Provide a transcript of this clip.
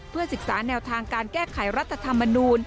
เพื่อศึกษาแนวทางการแก้ไขรัฐธรรมนูล